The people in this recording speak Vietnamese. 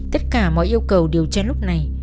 tất cả mọi yêu cầu điều tra lúc này